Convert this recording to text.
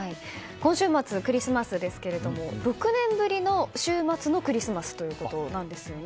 今週末クリスマスですけども６年ぶりの週末のクリスマスなんですね。